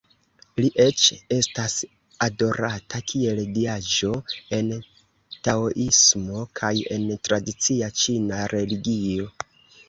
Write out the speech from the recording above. Li eĉ estas adorata kiel diaĵo en taoismo kaj en tradicia ĉina religio.